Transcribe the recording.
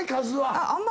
数は。